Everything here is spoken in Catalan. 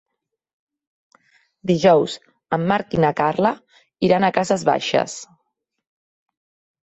Dijous en Marc i na Carla iran a Cases Baixes.